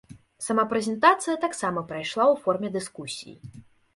Сама прэзентацыя таксама прайшла ў форме дыскусіі.